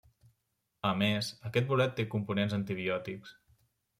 A més aquest bolet té components antibiòtics.